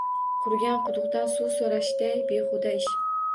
Qurigan quduqdan suv soʻrashday behuda ish